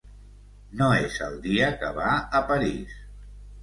No és el dia que va a París.